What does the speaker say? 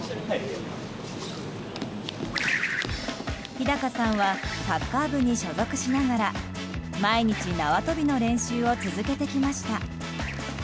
日高さんはサッカー部に所属しながら毎日、縄跳びの練習を続けてきました。